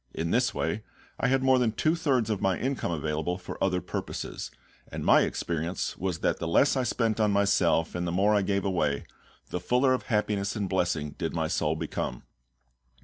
In this way I had more than two thirds of my income available for other purposes; and my experience was that the less I spent on myself and the more I gave away, the fuller of happiness and blessing did my soul become.